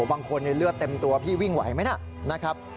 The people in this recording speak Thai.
บางคนเลือดเต็มตัวพี่วิ่งไหวไหมนะครับ